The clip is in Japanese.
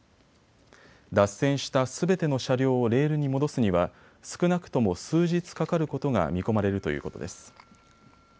脱線したすべての車両をレールに戻すには少なくとも数日かかることが見込まれるということです。